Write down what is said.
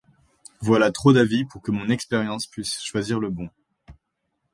Voilà trop d'avis pour que mon expérience puisse choisir le bon.